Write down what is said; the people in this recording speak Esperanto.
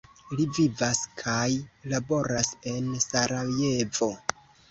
Li vivas kaj laboras en Sarajevo.